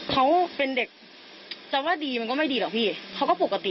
เขาเป็นเด็กจะว่าดีมันก็ไม่ดีหรอกพี่เขาก็ปกติ